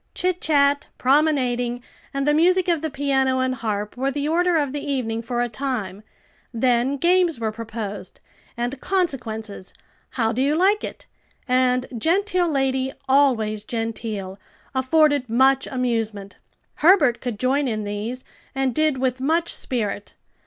Chit chat, promenading and the music of the piano and harp were the order of the evening for a time; then games were proposed, and "Consequences," "How do you like it?" and "Genteel lady, always genteel," afforded much amusement. Herbert could join in these, and did with much spirit.